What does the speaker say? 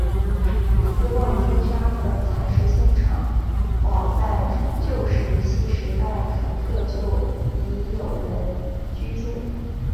斯旺斯扎的采石场证明早在旧石器时代肯特就已有人居住。